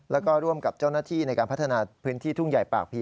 แล้วก็ร่วมกับเจ้าหน้าที่ในการพัฒนาพื้นที่ทุ่งใหญ่ปากผี